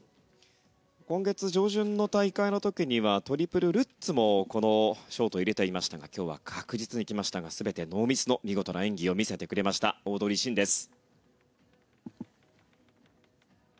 今月上旬の大会の時にはトリプルルッツもこのショート、入れていましたが今日は確実に来ましたが全てノーミスの見事な演技を見せてくれましたオードリー・シンです。